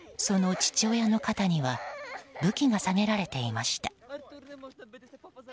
その父親の肩には武器が下げられていました。